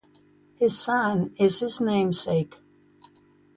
His son is his namesake.